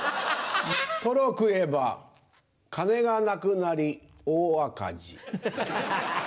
トロ食えば、金がなくなり大赤字。